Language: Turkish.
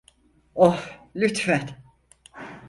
Oh, lütfen.